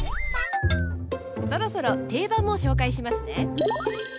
そろそろ定番も紹介しますね。